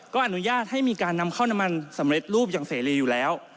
ก็อนุญาตให้มีการนำเข้าน้ำมันสำเร็จรูปอย่างเสรีอยู่แล้ว